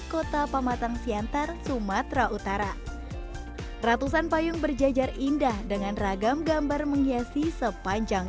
kota pamatang siantar sumatera utara ratusan payung berjajar indah dengan ragam gambar menghiasi sepanjang